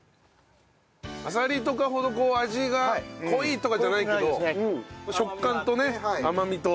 アサリとかほどこう味が濃いとかじゃないけど食感とね甘みと。